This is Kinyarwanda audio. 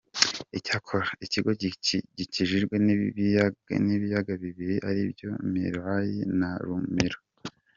Icyakora, ikigo gikikijwe n’ibiyaga bibiri ari byo Mirayi na Rumira.